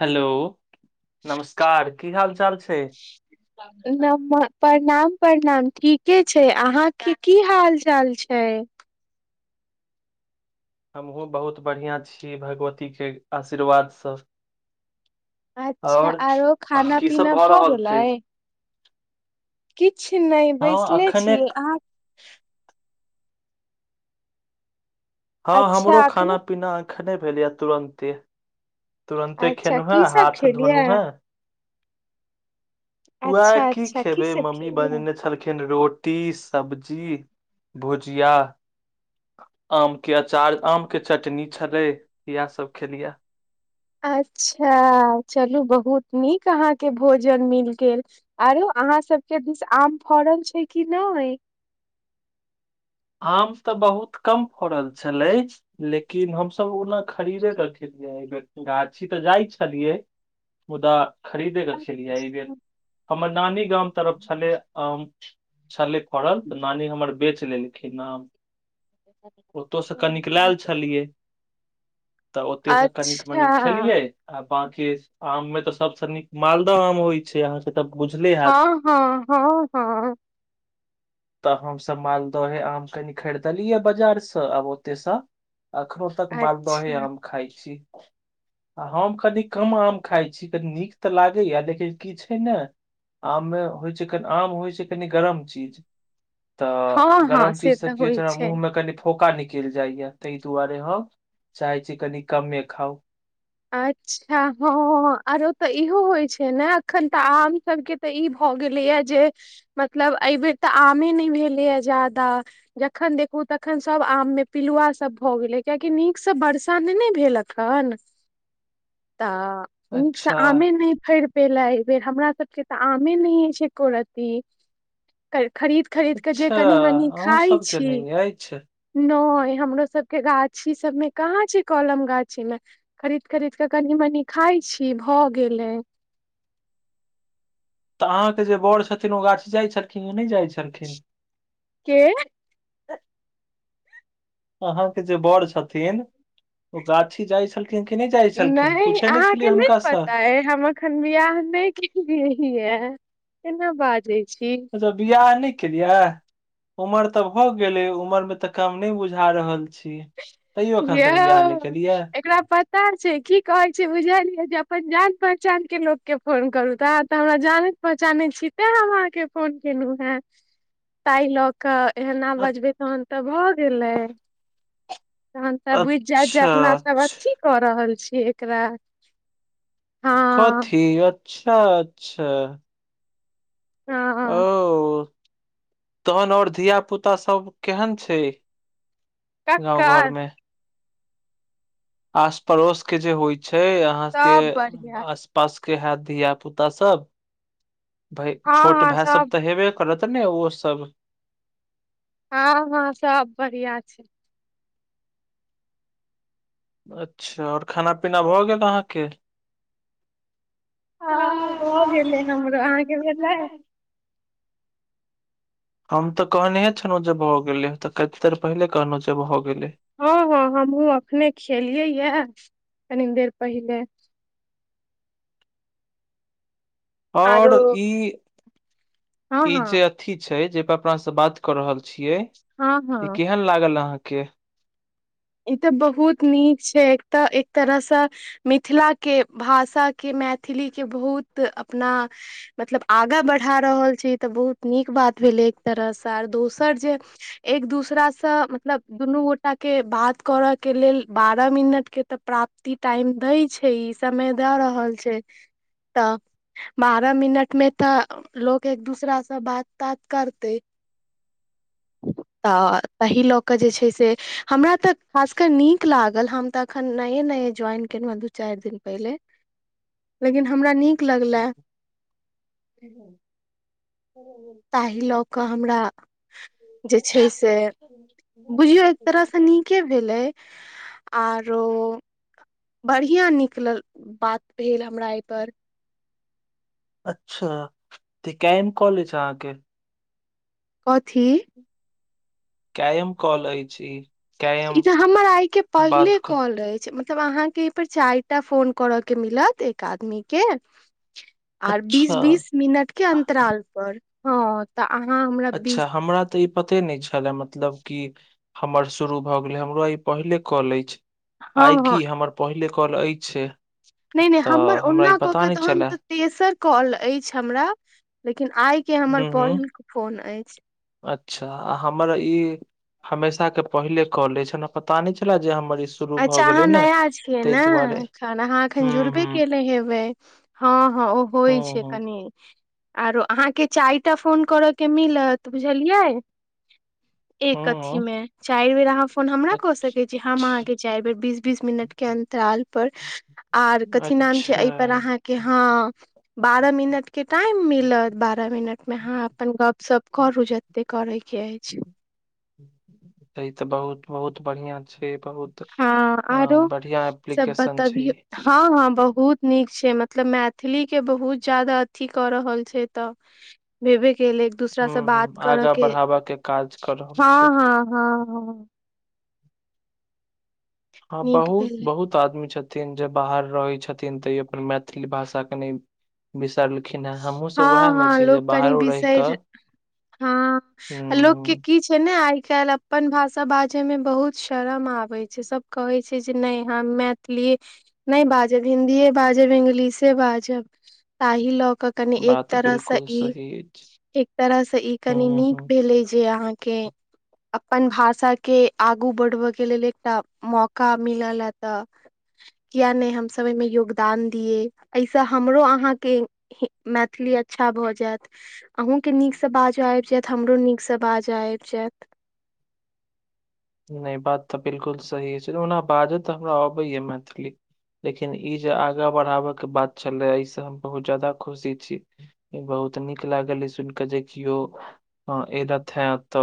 Hello नमस्कार की हाल चाल छै न प्रणाम प्रणाम ठीके छै अहाँ के की हाल चाल छै छै हमहूँ बहुत बढ़िआँ छी भगवतीके आशीर्वादसँ अच्छा आओर आरो खाना की सब पीना भऽ रहल गेलै छै किछु नहि हँ बैसले अखने छी अहाँ हँ हमरो अच्छा अखने खाना पीना एखने भेलैए तुरन्ते तुरन्ते अच्छा खेेलू हैं की सब हाथ धोनहु खेलियै हैं वएह अच्छा की अच्छा खेबै सब मम्मी खेलियै बनेने छलखिन रोट रोटी सब्जी भुजिया आमके अचार आमके चटनी छलै इएहसभ खेलियै अच्छा चलू बहुत नीक अहाँके भोजन मिल गेल आरो अहाँ सबके दिस आम फड़ल छै कि नहि [inaudible] आम तऽ बहुत कम फड़ल छले लेकिन हमसभ ओना खरीदे कऽ खेलियै एहि बेर गाछी तऽ जाइ छलियै मुदा खरीदेके खेलियै एहि बेर हमर नानी गाम तरफ छलै आम छलै फड़ल तऽ नानी हमर बेच लेलखिन आम ओतय सँ कनिक लयल छलियै तऽ ओते से कनिक अच्छा मनिक खेलियै आब बंाकी आम मे तऽ सबस नीक मालदाह आम होइ छै अहाँ के हँ हँ हँ हँ तऽ हमसभ मालदह ऐ आम कनि खरीदलियै बाजारसँ आब ओतयसँ अखनो तक मालदहे अच्छा आम खाय छी आ हम कनी कम आम खाय छी तऽ कनी नीक तऽ लागैए लेकिन की छै ने आममे होइ छै कनि आम होइ छै कनि गरम चीज तऽ गरम चीज से कि होइ छै हमरा मुँह मे कनि फुन फोका निकलि जाइया ताहि दुआरे हम चाहे छी कनि कमे खाउ अच्छा हँ आरो तऽ इहो होइ छै ने एखन तऽ आम सभके तऽ ई भऽ गेलय यै जे मतलब एहि बेर तऽ आमे नहि भेलैय जादा जखन देख तखन सब आम मे पिलुआ सब भऽ गेलै कियाकि नीकसँ वर्षा नहि ने भेल अखन तऽ नीक से अच्छा आमे नहि फड़ि पेलै एहि बेर हमरा सबके तऽ आमे नहि छै एको रति खरीद खरीद के जे अच्छा कनी मनी अहूँ खाय सबके छी नहि अछि न हमरो सबकेँ गाछी सबमे कहाँ छै कलम गाछी मे खरीद खरीद कऽ कनी मनी खाइत छी भऽ गेलय अहाँ कें जे बड़ छथिन ओ गाछी जाय छलखिन नहि जाय खे के [unintelligible] अहाँके जे बड़ छथिन ओ गाछी जाइ छल नहि अहाँके नहि हुनकासँ पता अइ हम एखन बियाह नहि केलिए अय केना बाजै छी अच्छा बियाह नहि के उमर तऽ भऽ गेलै उमर मे तऽ काम नहि बुझा रहल छी तैयो एखन तक बियाह यौ नहि केलियै एकरा पता छै की कहैत छै बुझलियै जे अपन जान पर च केँ लोकके फोन करू तऽ तऽ हमरा जानैत पहचानैत छी तें हम अहाँके फोन केलहुँ हें ताहि लऽ कऽ एना अ- बजबय तहन तऽ भऽ गेलय तहन तऽ बुझि जायत जे अच्छा अपना सब अच्छा की कऽ रहल छीयै एकरा हँ कथी अच्छा अच्छा ओ हँ तहन आओर धिया पुता सब केहन छैक गाँव ककर घरमे आस पड़ोस केँ जे होइत छैक अहाँके सब बढ़िया आस पास केँ हयत धिया पुता सब हँ छोट हँ भाय सब तऽ हेबे करत तने ओ सब हँ हँ सब बढ़िआ छै अच्छा आओर खाना पीना भऽ गेल अहाँके हँ भऽ गेलै हमरो अहाँके भेलइ हम तऽ कहनेहे छलहुँ जे भऽ गेले तऽ कत देर पहिले कहलहुँ जे भऽ गेले हँ हँ हमहूँ अपखने खेलियै यए कनि देर पहिले ओर आरो ई हँ ई हँ जे अथी छै जाहि पर अपना से बात कऽ रहल छी छियैक हँ हँ ई केहन लागल अहाँके ई तऽ बहुत नीक छैक एक तऽ एक तरहसँ मिथिला केँ भाषा केँ मैथिली केंं बहुत अपना मतलब आगा बढ़ा रहल छी तऽ बहुत नीक बात भेले एक तरहसँ आर दोसर जे एक दूसरासँ से मतलब दुनू गोटा केँ बात करऽ केँ लेल बारह मिनट केँ ते प्राप्ति टाइम देय छै ई समय द रहल छैक अ [inaudible] तऽ बारह मिनट मे तऽ लोक एक दूसरासँ बात तात करते [inaudible] तऽ ताहि लऽ कऽ जे छै से हमरा तऽ खासकर नीक लागल हम तऽ एखन नये नये ज्वाइन केलहुँ हँ दू चारि दिन पहिले लेकिन हमरा नीक लगलै [unintelligible] क हमरा जे छै से बुझियौ एक तरहसँ नीके भेलै आरो बढ़िआँ निकलल बात भेल हमरा एहिपर अच्छा तऽ कम कॉलेज अहाँके कथी कायम कॉल अछि ई ई कायम तऽ हमर आइ केँ बात पहिले क कॉल अछि मतलब तब अहाँकेँ एहि पर चारि टा फोन करऽ केँ मिलत एक आदमी केँ आर बीस अच्छा बीस मिनट केँ अन्तराल पर हँ तऽ अहाँ हमरा अच्छा बीस हमरा तऽ ई पते नहि छलए मतलब कि हमर शुरू भऽ गेलय हमरो ई पहिले कॉल अछि हँ आइ हँ की हमर पहिले कॉल अछि नहि नहि हमर तऽ हमरा ई ओना कऽ पता केँ नहि तहन छलए तऽ तेसर कॉल अछि हमरा लेकिन लेकिन आइ केँ हमर हूँ पहिल हूँ फोन अछि हमेशाे पहिले कले छल पता नहि छले जे हम अच्छा अहाँ नया छियै ने दुआरे अहाँ एखन हूँ जुड़बे हूँ केले हेबै हँ हँ हँ ओ होइ हूँ छै हूँ कनी आरो अहाँके चाय टा फोन करयके मिलत बुझलियै एक अथी हूँ मे चारि बेर अहाँ फोन हमरा कऽ सकै छी हम अहाँ अच्छा चारि बेर बीस बीस मिनट के अन्तराल पर आर कथी नाम छै अच्छा एहि पर अहाँ के ह बारह मिनट के टाइम मिलत बारह मिनट मे हँ अपन गपशप करू जते करै के अछि स तऽ बहुत बहुत बढ़िआं छै बहुत हँ अ आरो बढ़िया सब एप्लीकेशन छै बताबियौ हँ हँ बहुत नीक छै मतलब मैथिली के बहुत जादा अथी कऽ रहल छै तऽ के एक दूसरा हूँ से हूँ बात करऽ आगाँ के बढ़ाबय काज क रहल छै हँ हँ हँ हँ हँ नीक बहुत भेलै बहुत आदमी छथि जे बाहर रहै छथिन तऽ अपन मैथिली भाषा कनी बिसरलखिन हेँ हँ हमहूँसभ उएह मे हँ छी जे लोक कनि बाहरो रहि बिसरि कऽ हँ हूं आ लोकके हूं की छै ने आइ काल् अपन भाषा बाजे में बहुत शरम आबे छै सब कहे छै जे न ह मैथिली नहि बाजब हिन्दी बाजब इंगलिशे बाजब ताहि लऽ कऽ कनि एक बात तरह से बिल्कुल ई सही अछि एक तरह से ई कनि हूं नीक हूं भेलै जे अहाँ के अपन भाषाके आगू बढ़बयके लेल एकटा मौका मिलल तऽ किया नहि हमसभ एहिमे योगदान दियए एहिसँ हमरो अहाँके मैथिली अच्छा भऽ जायत अहूँ के नीकसँ बाजय आबि जायत हमरो नीक से बाजय आबि जायत चेक [inaudible] नहि बात तऽ बिलकुल सही छै ओना बाजऽ तऽ हमरा अबैया मैथिली लेकिन ई जे आगाँ बढ़ाबयके बात छले एहि से हम बहुत जाददा खुशी छी बहुत नीक लागल सुन केे जे कियौ एरथ त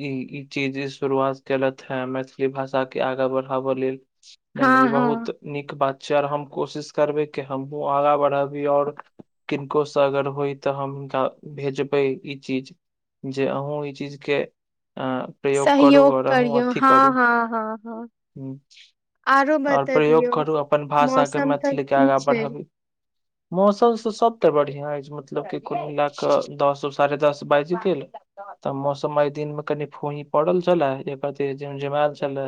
ई ई चीज [unintelligible] शुरुआत केलत हे मैथिली भाषा के आगा बढ़ाबऽ लेल न न ई हँ हँ बहुत नीक बात आओर हम कोशिश करबे कि हमहुँ आगा बढ़ाबी आओर किनको से अगर होइ तऽ हम हनका भेजबै ई चीज जे अहूँ ई चीज के अ प्रयोग करू सहयोग करर हू अ [unintelligible] करियौ थथि हँ करू हँ हँ हँ ह आरो आओर प्रयोग बतबियौ करू अपन भाषाकेँ मौसम सब मैथिलीकेँ की आगाँ छै बढ़ाबी मौसम त सब ते बढ़िया अछि मतलब क कुल मिला कऽ दस साढ़े दस बाजि गेल तऽ मौसम एहि दिन मे कनि फूही पड़ल छलए जे कथी जमझुमएल छलै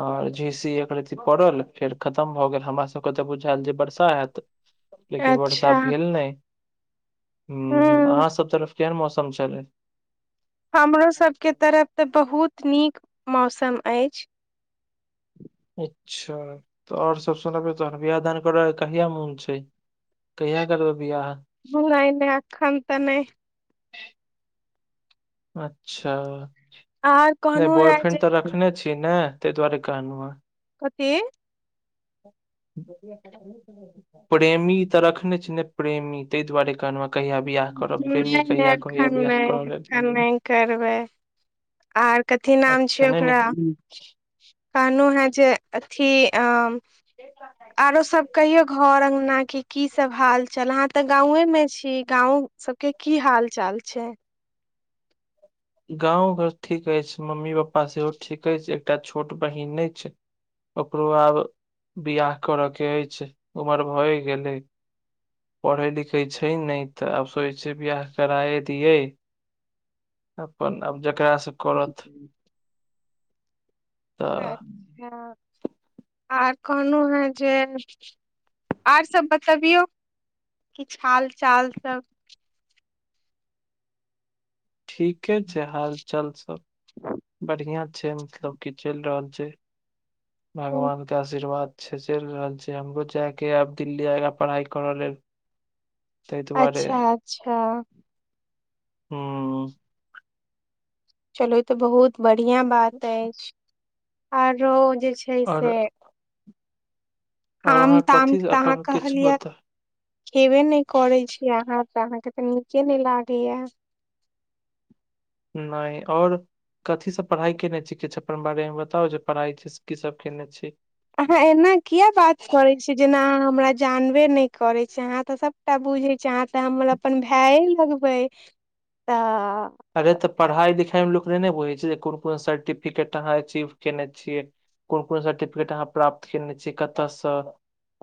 आओर ज एकरती पड़ल फेर खतम भऽ गेल हमरा सबके तऽ बुझायल जे वर्षा होयत लेकिन वर्षा अच्छा भेल नहि ह हूँ अहाँसभ तरफ केहन मौसम छलै हमरो सबके तरफ तऽ बहुत नीक मौसम अछि अच्छा तऽ आओर सब सु नबियौ तहन बियाह दान करै कहिया मोन छै कहिया करबै बियाह नहि नहि आखान त नहि अच्छा आर नहि कहलहुँ हेँ जे बॉयफ्रेंड तऽ रखने छी ने ता दुआारे कहन हँ की प्रेमी तऽ रखने छी ने प्रेमी ताहि दुआरे कहलहुँ हँ, कहिया बियाह करब नहि प्रेमी नहि कहिया कहिया एखन बियाह नहि करऽ लेल एखन नहि करबै आर कथी नाम अच्छा छ नहि ओकरा नहि कहानू है जे अथी अ आरो सब कहियौ घर अगना केँ की सब हाल च ह तऽ गांवे में छी गाँंव सबके की हाल चाल छै गाँव घर ठीक अछि मम्मी पापा सेहो ठीक अछि एकटा छोट बहिन अछि ओकरो आब बिआह करयकेँ अछि उमर भए गेलैय पढ़ै लिखैत छै नहि तऽ आब सोचै छिय बियाह कराए दियैक अपन आब जकरासँ करत तऽ च्छा आ [inaudible] कहलहुँ हें जे आर सब बतबियौ कि हाल चाल सब ठीके छै हाल चाल सब बढ़िआँ मतलब की चलि रहल छै भगवान केँ आशीर्वाद कह छै हमरो जायकें अछि आब दिल्ली पढ़ाइ करय लेल ताहि दुआरे अच्छा अच्छा हू चलू ई तऽ बहुत बढ़िआं बात अछि आरो जे छै आओर से आओर आम अहाँ ताम कथी से तऽ अहाँ अपन किछु कहलियै बता खेबे नहि करैत छी अहाँ तऽ अहाँकेँ तऽ नीके नहि लागैए नहि आओर कथीसँ पढ़ाई केने छी किछु अपन बारे मे बताउ जे पढ़ाई की सब केने छी अहाँ एना किया बात करैत छियैक जेना अहाँ हमरा जान बे नहि करैत छै अहाँ तऽ सभटा बुझैत छियैक अहाँ तऽ हमर अपन भाय लगबय तऽ अरे तऽ पढ़ाइ लिखाई मे नहि बुझैत छै कोन कोन सर्टिफिकेट अहाँ अचीव केने छियैक कोन कोन सर्टिफिकेट अहाँ प्राप्त केने छीयै कतऽसँ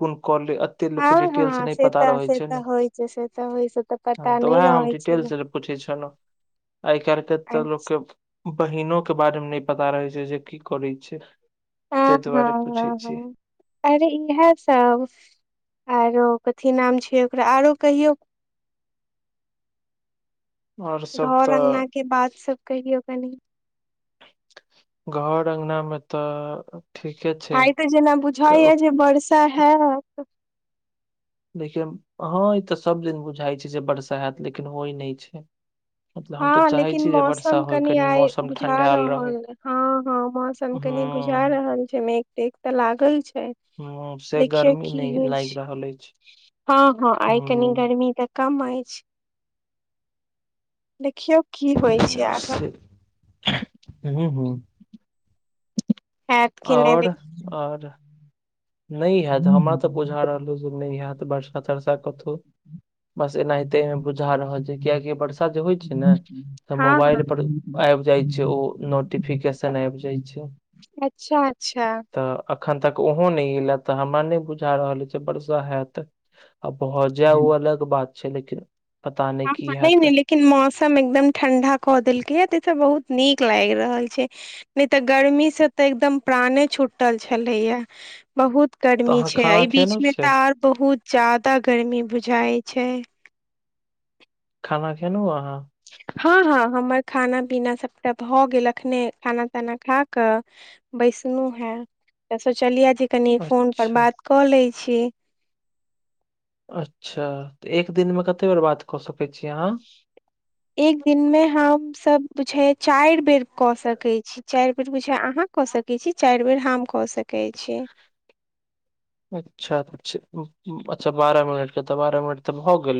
कोन कॉलेज एते लोग कें हँ डिटेल्स हँ नहि से पता तऽ रहैत से तऽ छैक। होइ छै से तऽ होइ से तऽ हँ पता तऽ नहि अहाँ हम रहै देतैल छलै गेल पुछै छलहुँ आइ काल्हि केँ तऽ अच्छा लोककेँ बहिनो केँ बारे मे नहि पता रहैत छै जे की करैत छै ह ताहि दुआरे हँ ह पूछे हँ छी अरे इएह सब आर यौ कथी नाम छै ओकरा आरो कहियौ और सब घर तऽ अङगना के बात सब कहियौ कनि घर अङगना मे तऽ ठीके छै आइ तऽ जेना बुझाइ या क- जे वर्षा है देखियौ हँ ई तऽ सभदिन बुझाइत छै जे वर्षा हत लेकिन होइत नहि छैक हँ लेकिन मौसम होय कनि आइ मौसम बुझा ठंडायल रहै रहल हँ हँ मौसम कनी बुझा हूं रहल छैक मेघ तेघ तऽ लागल छैक हूं से देखियौ गर्मी की नहि होइत लागि रहल अछि छैक हँ हँ आइ कनि हूं गर्मी तऽ कम अछि क की होइत छै आगाँ से हूं हूं हैत कि नहि आओर आओर नहि हैत हमरा तऽ बुझा रहलहु जे नहि हैत वर्षा तर्षा कतहु बस एनाहिते बुझा रहल छैक कियकि वर्षा जे होइत छै ने तऽ हँ हँ मोबाइल पर आब जाइत छै ओ नोटिफिकेशन आबि जाइत छैक अच्छा अच्छा एखन तक ओहो नहि एल तऽ हमरा नहि बुझा रहल अछि जे वर्षा हैत अ बहु जाय ओ अलग बात छै लेकिन पता ह की नहि हैत ने लेकिन मौसम एकदम ठंडा कऽ देलकय ह एतय बहुत नीक लागि रहल छैक नहि तऽ गर्मी से तऽ एकदम प्राणे छुटल छलैया बहुत तऽ गर्मी अहाँ छै खाना एहि बीच खेलहुँ में से तऽ आओर बहुत जादा गर्मी बुझाइ छै खाना खेनौ अहाँ हँ हँ हमर खाना पीना सभटा भऽ गेल अखने खाना ताना खा कऽ बैसलहु है तऽ सोचलिय जे कनि फोन पर अच्छा बात कऽ लै छी अच्छा तऽ एक दिनमे कतेक बेर बात कऽ सकैत छी अहाँ एक दिन मे हमसभ बुछ चारि बेर कऽ सकैत छी चारि बेरु अहाँ कऽ सकै छी चारि बेर हम कऽ सकैत छी अच्छा अच्छा अच्छा बारह मिनटके तऽ बारह मिनट तऽ हो गेलै